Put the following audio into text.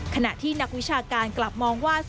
ขณะที่นักวิชาการกลับมองว่า